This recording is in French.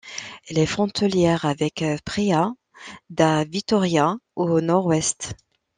Elle est frontalière avec Praia da Vitória au nord-est.